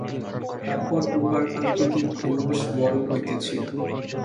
তারপর উহার আকৃতি ক্রমশ বড় হইতেছিল।